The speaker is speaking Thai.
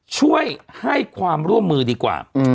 ช่วยให้ความร่วมมือดีกว่า